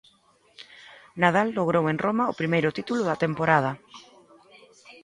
Nadal logrou en Roma o primeiro título da temporada.